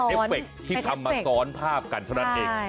เป็นเอฟเฟคที่ทำมาซ้อนภาพนั้นเอง